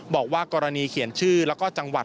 บอกว่ากรณีเขียนชื่อแล้วก็จังหวัด